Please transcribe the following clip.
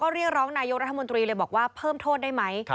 เรียกร้องนายกรัฐมนตรีเลยบอกว่าเพิ่มโทษได้ไหม